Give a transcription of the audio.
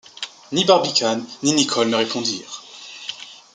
Ni Barbicane ni Nicholl ne répondirent.